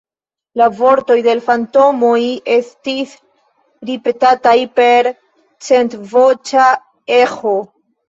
La vortoj de l' fantomoj estis ripetataj per centvoĉa eĥo.